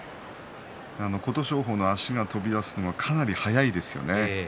琴勝峰の足が飛び出すのがかなり早いですよね。